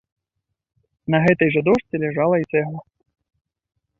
На гэтай жа дошцы ляжала і цэгла.